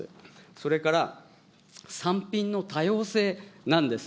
それから産品の多様性なんです。